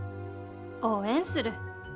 応援する。